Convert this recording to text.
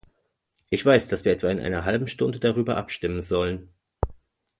Ich weiß, dass wir in etwa einer halben Stunde darüber abstimmen sollen.